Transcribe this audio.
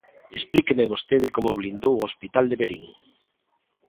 Explíqueme vostede como blindou o Hospital de Verín.